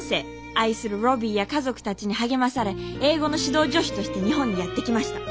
愛するロビーや家族たちに励まされ英語の指導助手として日本にやって来ました。